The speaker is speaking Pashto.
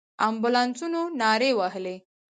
امبولانسونو نارې وهلې.